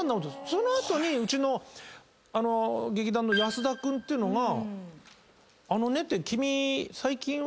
その後にうちの劇団の安田君っていうのが「あのね君」